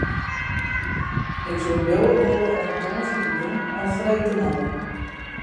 Ik soe bliuwe wolle oant tongersdeitejûn of freedtemoarn.